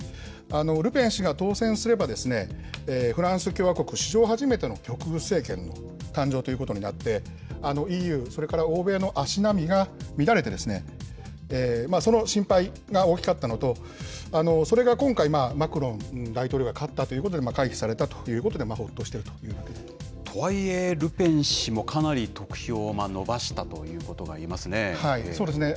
ルペン氏が当選すれば、フランス共和国史上初めての極右政権の誕生ということになって、ＥＵ、それから欧米の足並みが乱れて、その心配が大きかったのと、それが今回、マクロン大統領が勝ったということで、回避されたということで、とはいえ、ルペン氏もかなり得票を伸ばしたということが言えますね。